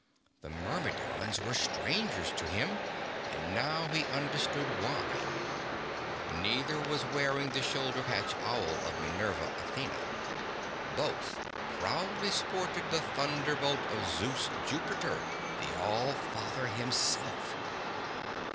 The Myrmidons were strangers to him and now he understood why. Neither was wearing the shoulder patch Owl of Minerva/Athena. Both proudly sported the Thunderbolt of Zeus/Jupiter, the All Father himself.